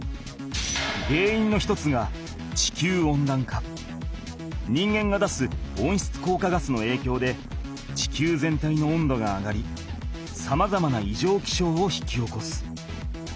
げんいんの一つが人間が出すおんしつこうかガスのえいきょうで地球全体の温度が上がりさまざまないじょうきしょうを引き起こす。